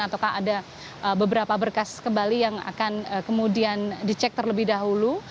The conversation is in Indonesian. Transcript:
ataukah ada beberapa berkas kembali yang akan kemudian dicek terlebih dahulu